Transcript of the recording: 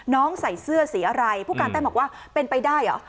ใส่เสื้อสีอะไรผู้การแต้มบอกว่าเป็นไปได้เหรอ